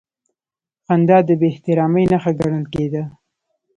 خندا د بېاحترامۍ نښه ګڼل کېده.